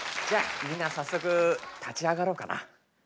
じゃあみんな早速立ち上がろうかな。